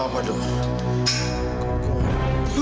fadil lu kenapa sih dia